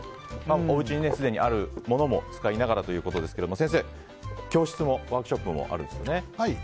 おうちに、すでにあるものも使いながらということですが先生、ワークショップもあるんですよね。